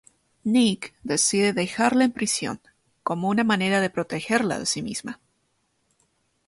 Nick decide dejarla en prisión, como una manera de protegerla de sí misma.